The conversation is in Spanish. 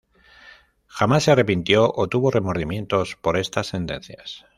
Jamás se arrepintió o tuvo remordimientos por estas sentencias.